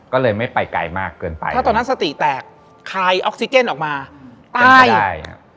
ก็เลยไม่ไปไกลมากเกินไปถ้าตอนนั้นสติแตกคลายออกซิเจนออกมาตายใช่ครับ